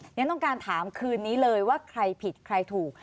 ฉันต้องการถามคืนนี้เลยว่าใครผิดใครถูก